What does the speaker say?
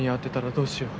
どうしよう！